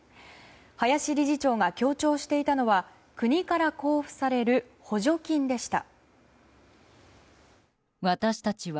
林理事長が強調していたのは国から交付される補助金でした。